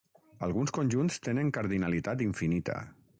Alguns conjunts tenen cardinalitat infinita.